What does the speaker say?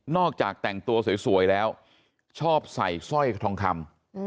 จากแต่งตัวสวยแล้วชอบใส่สร้อยทองคำ